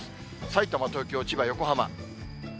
さいたま、東京、千葉、横浜。